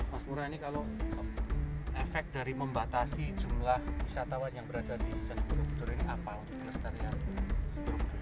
mas mura ini kalau efek dari membatasi jumlah wisatawan yang berada di candi borobudur ini apa untuk kelestarian